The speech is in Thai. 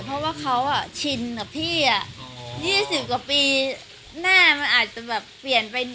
เพราะว่าเขาชินกับพี่๒๐กว่าปีหน้ามันอาจจะแบบเปลี่ยนเป็น